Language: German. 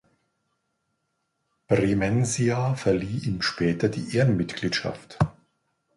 Bremensia verlieh ihm später die Ehrenmitgliedschaft.